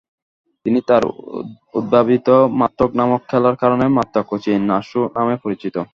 তিনি তার উদ্ভাবিত মাত্রাক নামক খেলার কারণে মাত্রাকচি নাসুহ নামে পরিচিত।